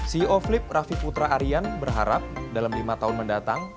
ceo flip raffi putra arian berharap dalam lima tahun mendatang